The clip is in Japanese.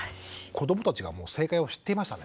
子どもたちがもう正解を知っていましたね。